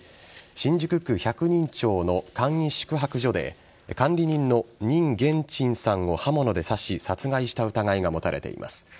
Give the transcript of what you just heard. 新宿区百人町の簡易宿泊所で管理人の任元珍さんを刃物で刺し殺害した疑いが持たれています。